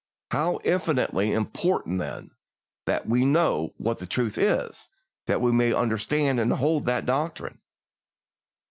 How infinitely important, then, that we know what that truth is, that we may understand and hold that doctrine.